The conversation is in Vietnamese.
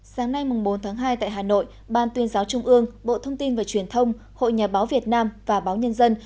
sáng nay bốn tháng hai tại hà nội ban tuyên giáo trung ương bộ thông tin và truyền thông hội nhà báo việt nam và báo nhân dân